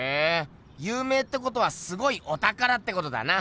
ゆう名ってことはすごいおたからってことだな！